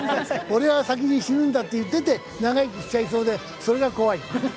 「俺は先に死ぬんだ」って言ってて長生きしちゃいそうでそれが怖い。